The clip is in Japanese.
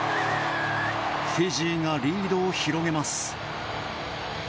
フィジーがリードを広げます。